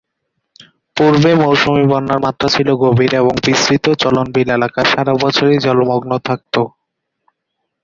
পূর্বে মৌসুমি বন্যার মাত্রা ছিল গভীর এবং বিস্তৃত চলন বিল এলাকা সারাবছরই জলমগ্ন থাকত।